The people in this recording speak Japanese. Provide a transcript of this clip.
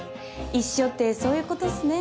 「一緒」ってそういう事っすね。